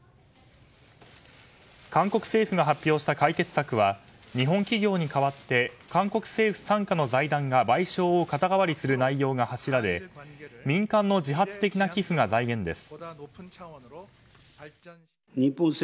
韓国政府が発表した解決策は日本企業に代わって韓国政府傘下の財団が賠償を肩代わりする内容が柱で民間の自発的な寄付が財源です。